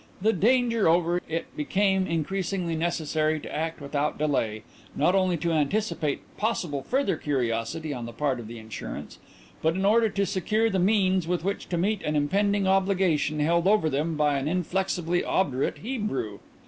The danger over, it became increasingly necessary to act without delay, not only to anticipate possible further curiosity on the part of the insurance, but in order to secure the means with which to meet an impending obligation held over them by an inflexibly obdurate Hebrew.